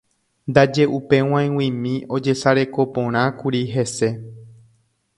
ndaje upe g̃uaig̃uimi ojesarekoporãkuri hese